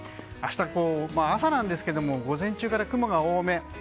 明日の朝なんですが午前中から雲が多め。